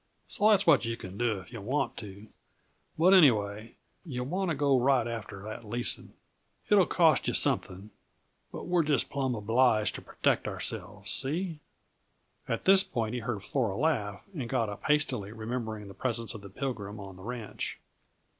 So that's what yuh can do if yuh want to but anyway, yuh want to get right after that leasing. It'll cost yuh something, but we're just plumb obliged to protect ourselves. See?" At that point he heard Flora laugh, and got up hastily, remembering the presence of the Pilgrim on the ranch.